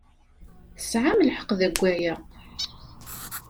Tesɛam lḥeqq deg waya.